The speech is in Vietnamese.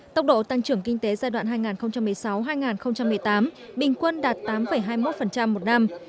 tốc độ tăng trưởng kinh tế giai đoạn hai nghìn một mươi sáu hai nghìn một mươi tám bình quân đạt tám hai mươi một một năm